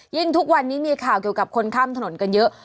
ทุกวันนี้มีข่าวเกี่ยวกับคนข้ามถนนกันเยอะ